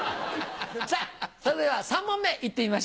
さっそれでは３問目行ってみましょう。